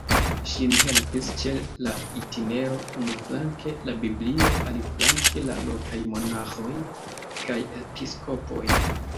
Ŝin helpis ĉe la itinero unuflanke la Biblio, aliflanke la lokaj monaĥoj kaj episkopoj.